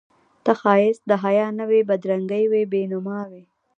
ته ښایست د حیا نه وې بدرنګي وې بد نما وې